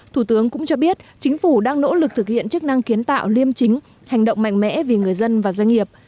thủ tướng cũng cho biết chính phủ đang nỗ lực thực hiện chức năng kiến tạo liêm chính hành động mạnh mẽ vì người dân và doanh nghiệp